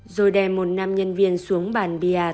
rồi đem một nam nhân viên xuống bàn bia